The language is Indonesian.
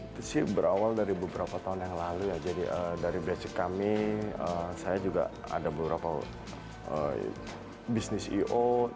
itu sih berawal dari beberapa tahun yang lalu ya jadi dari basic kami saya juga ada beberapa bisnis i o